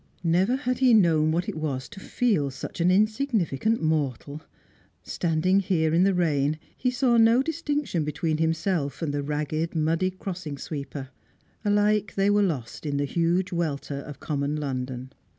Never had he known what it was to feel such an insignificant mortal. Standing here in the rain, he saw no distinction between himself and the ragged, muddy crossing sweeper; alike, they were lost in the huge welter of common London.